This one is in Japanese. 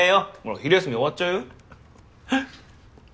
昼休み終わっちゃうよ。ははっ。